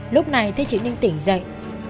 lúc này thì trị ninh tỉnh dậy